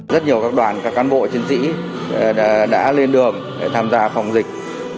rất nhiều các đoàn các cán bộ chiến sĩ đã lên đường để tham gia phòng dịch